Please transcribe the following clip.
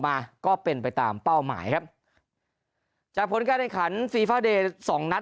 มาก็เป็นไปตามเป้าหมายครับจากผลการแข่งขันฟีฟาเดย์สองนัด